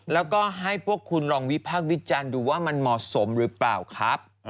แล้วก็ให้พวกคุณลองวิพากษ์วิจารณ์ดูว่ามันเหมาะสมหรือเปล่าครับ